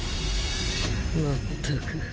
まったく。